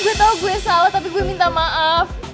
gue tau gue salah tapi gue minta maaf